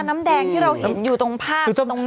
น้ำแดงที่เราเห็นอยู่ตรงภาคตรงหน้า